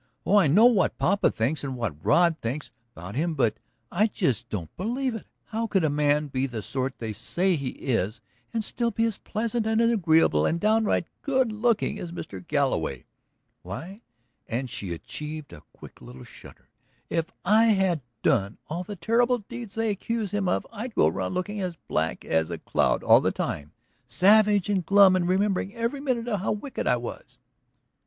"Oh, I know what papa thinks and what Rod thinks about him; but I just don't believe it! How could a man be the sort they say he is and still be as pleasant and agreeable and downright good looking as Mr. Galloway? Why," and she achieved a quick little shudder, "if I had done all the terrible deeds they accuse him of I'd go around looking as black as a cloud all the time, savage and glum and remembering every minute how wicked I was."